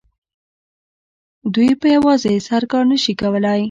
دوی په یوازې سر کار نه شي کولای